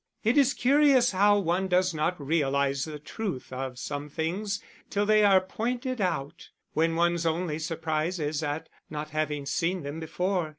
It is curious how one does not realise the truth of some things till they are pointed out; when one's only surprise is at not having seen them before.